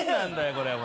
これ。